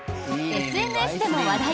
ＳＮＳでも話題！